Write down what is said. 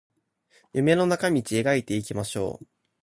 夢の中道描いていきましょう